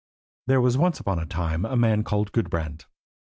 There was once upon a time a man who was called Gudbrand.